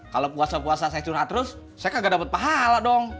kalau puasa puasa saya curhat terus saya kan gak dapet pahala dong